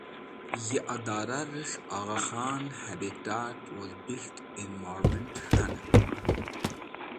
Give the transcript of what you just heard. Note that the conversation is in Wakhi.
Yi Idora res̃h Agha Khan Habitat & Built Environment K̃hanen